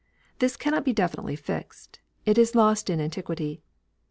This cannot be definitely fixed. It is lost in antiquity.